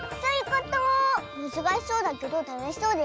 むずかしそうだけどたのしそうでしょ。